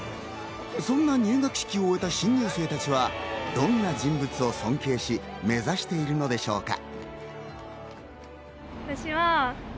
そんな入学式を終えた新入生たちは、どんな人物を尊敬し、目指しているのでしょうか。